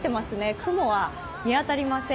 雲は見当たりません。